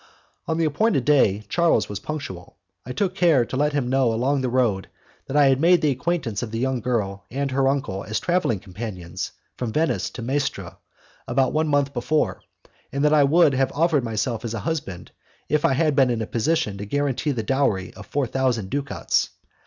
On the appointed day, Charles was punctual. I took care to let him know along the road that I had made the acquaintance of the young girl and of her uncle as travelling companions from Venice to Mestra about one month before, and that I would have offered myself as a husband, if I had been in a position to guarantee the dowry of four thousand ducats.